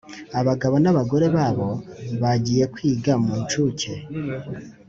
Abagabo na abagore babo bagiye kwiga mu ncuke